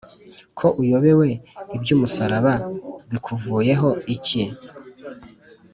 Ko uyobewe iby'Umusaraba, Bikuvuye iki ?